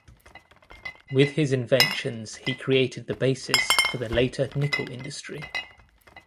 With his inventions he created the basis for the later nickel industry.